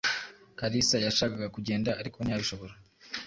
Kalisa yashakaga kugenda, ariko ntiyabishobora.